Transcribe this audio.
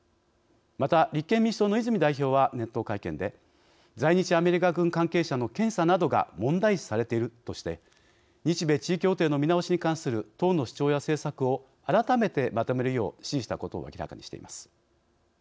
また立憲民主党の泉代表は年頭会見で「在日アメリカ軍関係者の検査などが問題視されている」として日米地位協定の見直しに関する党の主張や政策を改めてまとめるよう指示したことを明らかにしています。